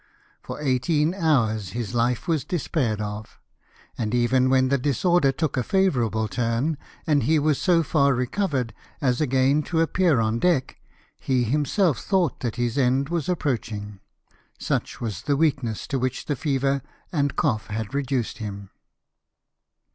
For eighteen hours his life was despaired of ; and even when the disorder took a favourable turn, and he was so far recovered as again to appear on deck, he himself thought that his end was approach ing — such was the weakness to which the fever and cough had reduced him.